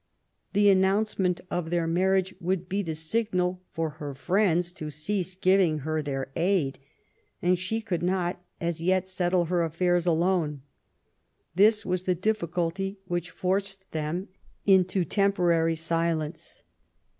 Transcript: The announcement of their marriage would be the signal for her friends to cease giving her their aid, and she could not, as yet, settle her afiUirs alone. This was the difficulty which forced them into temporary silence.